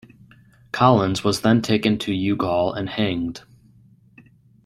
Collins was then taken to Youghal and hanged.